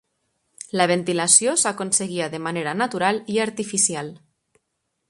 La ventilació s'aconseguia de manera natural i artificial.